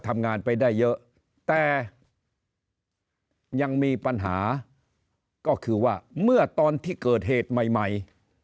แต่ยังมีปัญหาก็คือว่าเมื่อตอนที่เกิดเหตุใหม่